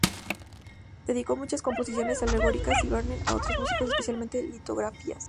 Dedicó muchas composiciones alegóricas a Wagner y a otros músicos, especialmente litografías.